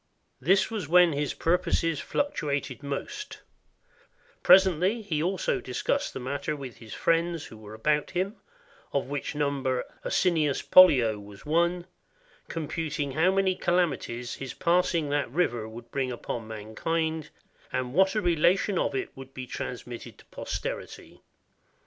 This was when his purposes fluctuated most; presently he also discussed the matter with his friends who were about him (of which number Asinius Pollio was one) , computing how many calamities his pass ing that river would bring upon mankind, and what a re lation of it would be transmitted to posterity.